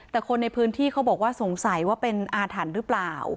แต่คนในพื้นที่เขาบอกว่าสงสัยว่าเป็นอาถรรพ์หรือเปล่า